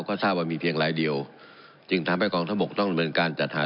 ก็ทราบว่ามีเพียงรายเดียวจึงทำให้กองทบกต้องดำเนินการจัดหา